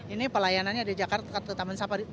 ini pelayanannya di jakarta dekat ke taman safari